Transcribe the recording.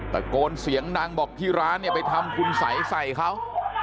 ตะโกนเสียงดังบอกที่ร้านเนี่ยไปทำคุณสัยใส่เขา